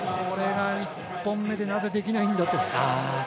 これが１本目でなぜ、できないんだと。